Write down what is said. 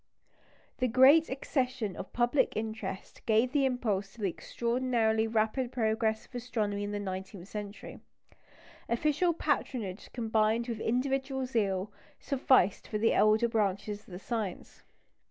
This great accession of public interest gave the impulse to the extraordinarily rapid progress of astronomy in the nineteenth century. Official patronage combined with individual zeal sufficed for the elder branches of the science.